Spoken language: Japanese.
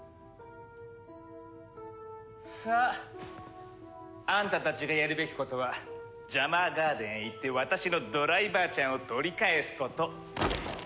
さああんたたちがやるべきことはジャマーガーデンへ行って私のドライバーちゃんを取り返すこと。